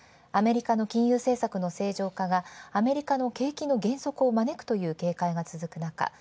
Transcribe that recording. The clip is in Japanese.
アメリカの金融政策の正常化がアメリカの景気の減速を招くという警戒が続くなか